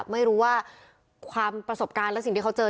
ไม่รู้ว่าความประสบการณ์และสิ่งที่เขาเจอ